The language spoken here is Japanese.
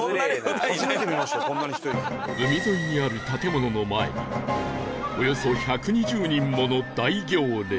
海沿いにある建物の前におよそ１２０人もの大行列